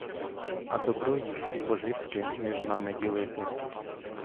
А добро їх і пожитки між нами ділити.